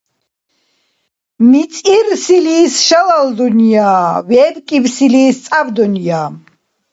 МицӀирсилис — шалал дунъя, вебкӀибсилис — цӀяб дунъя.